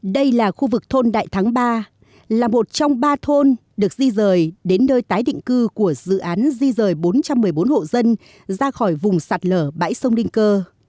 đây là khu vực thôn đại thắng ba là một trong ba thôn được di rời đến nơi tái định cư của dự án di rời bốn trăm một mươi bốn hộ dân ra khỏi vùng sạt lở bãi sông đinh cơ